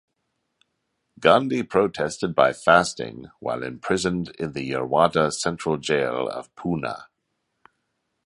Gandhi protested by fasting while imprisoned in the Yerwada Central Jail of Poona.